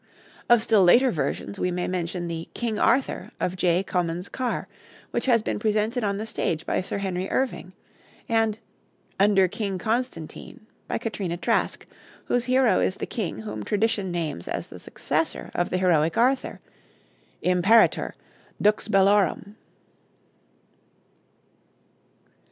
Of still later versions, we may mention the 'King Arthur' of J. Comyns Carr, which has been presented on the stage by Sir Henry Irving; and 'Under King Constantine,' by Katrina Trask, whose hero is the king whom tradition names as the successor of the heroic Arthur, "Imperator, Dux Bellorum."